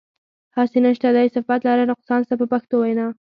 هسې نشته دی صفت لره نقصان ستا په پښتو وینا.